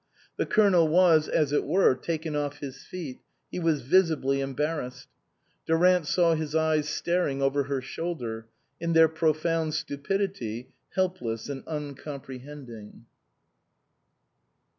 The Colonel was, as it were, taken off his feet ; he was visibly embarrassed. Durant saw his eyes staring over her shoulder, in their profound stupidity helpless and uncom prehending.